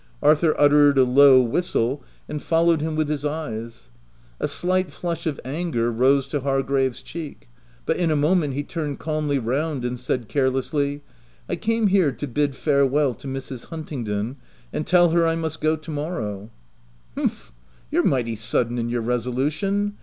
Arthur uttered a low whistle, and followed him wi$ij his eyes A slight flush of anger rose to Hargrave's cheek ; but in a moment, he turned calmly round, and said carelessly —" I came here to bid farewell to Mrs. Hun tingdon, and tell her I must go to morrow. *'" Humph ! You're mighty sudden in your resolution.